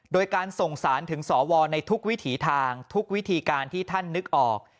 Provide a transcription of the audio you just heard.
โดยการส่งสารถึงสวในทุกวิถีทางทุกวิธีการที่ท่านนึกออก